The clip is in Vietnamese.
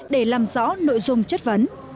để làm rõ nội dung chất vấn